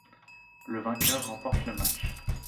Le vainqueur remporte le match.